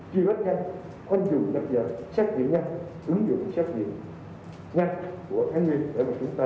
chỉ bắt nhanh không dùng nhập giờ xét nghiệm nhanh ứng dụng xét nghiệm nhanh của tháng một mươi